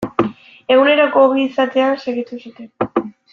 Eguneroko ogi izaten segitu zuten.